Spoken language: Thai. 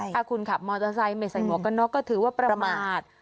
ถ้าคุณขับมอเตอร์ไซค์ไม่ใส่หมวกกันน็อกก็ถือว่าประมาท